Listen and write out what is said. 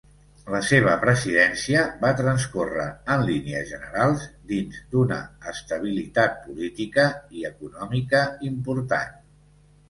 La seva presidència va transcórrer en línies generals dins d'una estabilitat política i econòmica important.